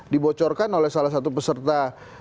dibocorkan oleh salah satu peserta